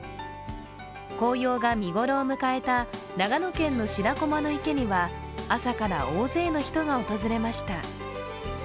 紅葉が見頃を迎えた長野県の白駒の池には朝から大勢の人が訪れました。